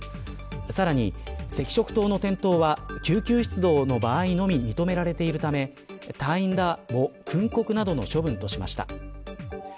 さらに、赤色灯の点灯は救急出動の場合にのみ認められているため隊員らを訓告などの処分にしました。